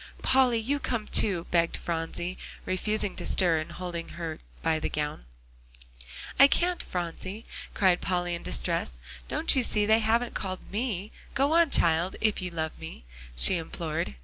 "Polly, you come too," begged Phronsie, refusing to stir, and holding her by the gown. "I can't, Phronsie," cried Polly in distress; "don't you see they haven't called me. Go on, child, if you love me," she implored.